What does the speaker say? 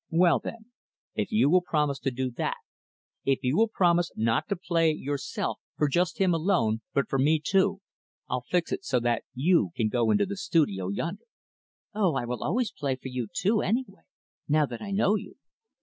"Well then, if you will promise to do that if you will promise not to play yourself for just him alone but for me too I'll fix it so that you can go into the studio yonder." "Oh, I will always play for you, too, anyway now that I know you."